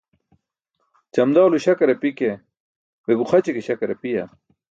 Ćamdaw lo śakar api ke, be guxaći ke śakar apiya?